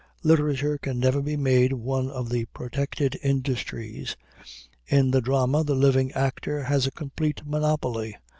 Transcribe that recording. Literature can never be made one of the protected industries. In the Drama the living actor has a complete monopoly.